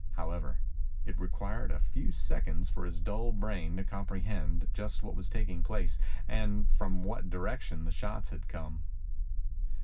However, it required a few seconds for his dull brain to comprehend just what was taking place and from what direction the shots had come.